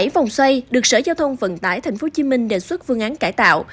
bảy vòng xoay được sở giao thông vận tải tp hcm đề xuất vương án cải tạo